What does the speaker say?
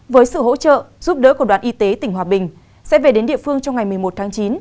với sự hỗ trợ giúp đỡ của đoàn y tế tỉnh hòa bình sẽ về đến địa phương trong ngày một mươi một tháng chín